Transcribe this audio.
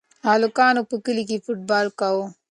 هلکانو په کلي کې فوټبال کاوه.